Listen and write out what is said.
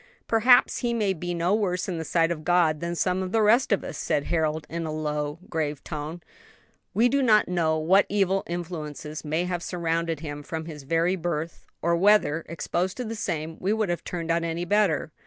"Perhaps he may be no worse in the sight of God, than some of the rest of us," said Harold, in low, grave tones; "we do not know what evil influences may have surrounded him from his very birth, or whether, exposed to the same, we would have turned out any better."